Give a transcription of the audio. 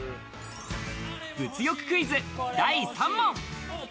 物欲クイズ第３問。